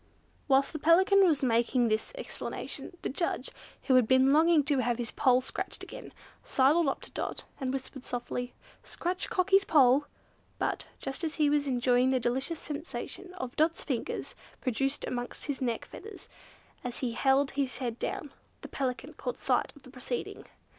Whilst the Pelican was making this explanation, the judge, who had been longing to have his poll scratched again, sidled up to Dot, and whispered softly, "Scratch Cockie's poll!" But, just as he was enjoying the delicious sensation Dot's fingers produced amongst his neck feathers, as he held his head down, the Pelican caught sight of the proceeding.